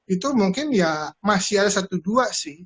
itu mungkin ya masih ada satu dua sih